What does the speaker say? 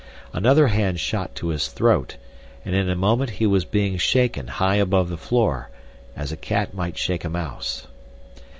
Another hand shot to his throat and in a moment he was being shaken high above the floor, as a cat might shake a mouse.